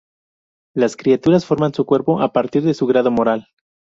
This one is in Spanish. Las criaturas forman su cuerpo a partit de su grado moral.